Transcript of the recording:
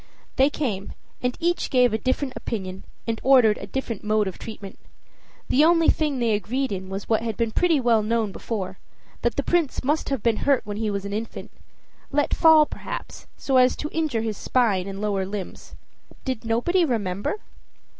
They came, and each gave a different opinion and ordered a different mode of treatment. The only thing they agreed in was what had been pretty well known before, that the Prince must have been hurt when he was an infant let fall, perhaps, so as to injure his spine and lower limbs. Did nobody remember?